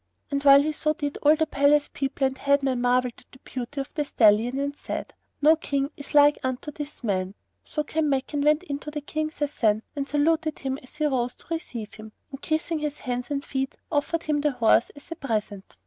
And while he so did, all the palace people and head men marvelled at the beauty of the stallion and said, "No King is like unto this man." So Kanmakan went in to King Sasan and saluted him as he rose to receive him; and, kissing his hands and feet, offered him the horse as a present.